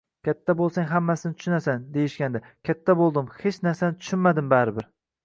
Katta bo'lsang hammasini tushunasan! deyishgandi. Katta bo'ldim, hech narsani tushunmadim, baribir!